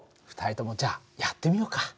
２人ともじゃあやってみようか。